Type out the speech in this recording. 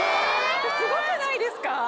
すごくないですか？